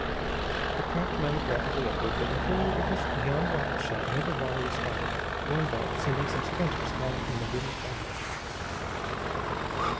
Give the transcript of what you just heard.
The craft mounted rapidly upward, but before it was beyond rifle shot another volley was fired, one bullet sending some splinters flying from the wooden framework.